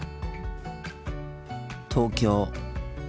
東京。